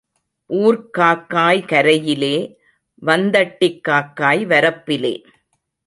ஊர்க் காக்காய் கரையிலே வந்தட்டிக் காக்காய் வரப்பிலே.